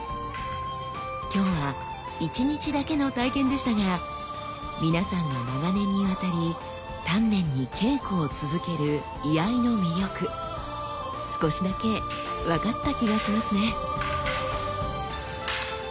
今日は一日だけの体験でしたが皆さんが長年にわたり丹念に稽古を続ける「居合」の魅力少しだけ分かった気がしますね。